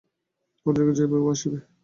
কত জগৎ যাইবে ও আসিবে।